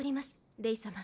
レイ様